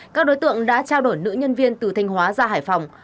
các đối tượng đã trao đổi nữ nhân viên từ thanh hóa ra hải phòng